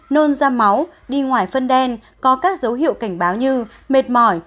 nôn ra máu đi ngoài phân đen có các dấu hiệu cảnh báo như mệt mỏi